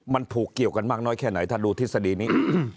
มันผูกเกี่ยวกันมากน้อยแค่ไหนถ้าดูทฤษฎีนี้